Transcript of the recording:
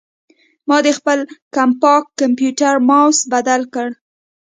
ما د خپل کمپاک کمپیوټر ماؤس بدل کړ.